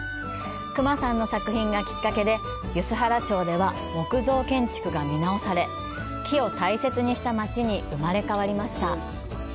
隈さんの作品がきっかけで梼原町では木造建築が見直され、木を大切にした町に生まれ変わりました。